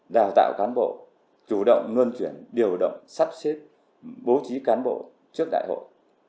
đào tạo cán bộ chủ động luân chuyển điều động sắp xếp bố trí cán bộ trước đại hội